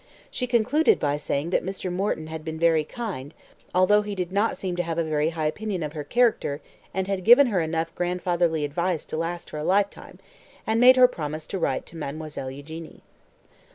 She concluded by saying that Mr. Morton had been very kind, though he did not seem to have a very high opinion of her character, and had given her enough grandfatherly advice to last her a lifetime, and made her promise to write to Mademoiselle Eugénie.